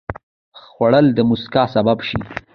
خوړل د مسکا سبب شي